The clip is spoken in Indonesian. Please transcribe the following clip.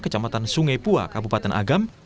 kecamatan sungai pua kabupaten agam